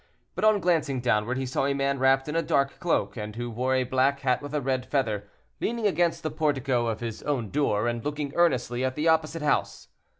But on glancing downward, he saw a man wrapped in a dark cloak, and who wore a black hat with a red feather, leaning against the portico of his own door, and looking earnestly at the opposite house.